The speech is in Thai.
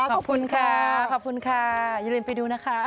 ขอบคุณค่ะอย่าลืมไปดูนะคะ